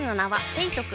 ペイトク